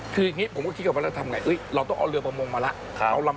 คืออย่างนี้ผมก็คิดกับว่าจะทำยังไงเราต้องเอาเรือประมงมาล่ะ